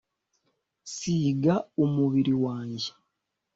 siga umubiri wanjye